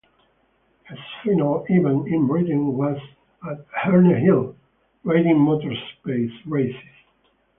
His final event in Britain was at Herne Hill, riding motor-paced races.